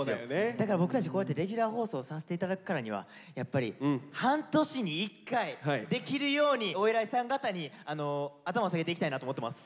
だから僕たちこうやってレギュラー放送させて頂くからにはやっぱり半年に１回できるようにお偉いさん方に頭下げていきたいなと思ってます。